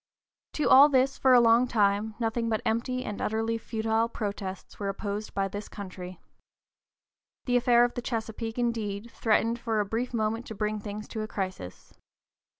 To all this, for a long time, nothing but empty and utterly futile protests were opposed by this country. The affair of the Chesapeake, indeed, threatened for a brief moment to bring things to a crisis.